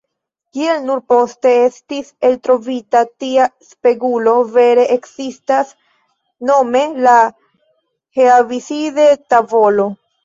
Kiel nur poste estis eltrovita, tia spegulo vere ekzistas, nome la Heaviside-tavolo.